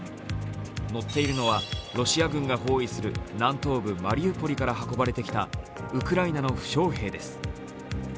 乗っているのは、ロシア軍が包囲する南東部マリウポリから運ばれてきたウクライナの負傷兵です。